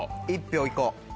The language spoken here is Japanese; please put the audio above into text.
１票行こう。